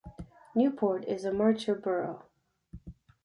Newport is a marcher borough.